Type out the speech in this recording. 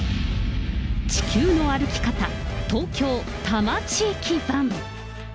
地球の歩き方・東京多摩地域版。